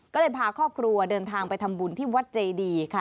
ก็เลยพาครอบครัวเดินทางไปทำบุญที่วัดเจดีค่ะ